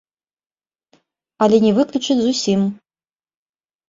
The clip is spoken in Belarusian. Але не выключыць зусім!